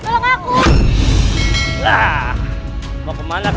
terang nabi ini sepah tahan perang